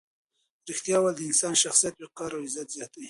ریښتیا ویل د انسان د شخصیت وقار او عزت زیاتوي.